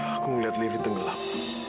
aku ngeliat livi tenggelam